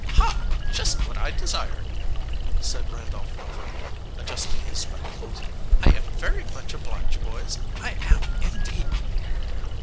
"Ha! Just what I desired!" said Randolph Rover, adjusting his spectacles. "I am very much obliged, boys I am, indeed!"